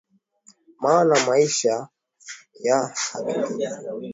Maana Maisha ya Hakizimana yamefungana na Maisha ya mama yake Juliana alisema Jacob